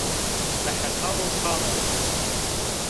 Bi hesabo kan o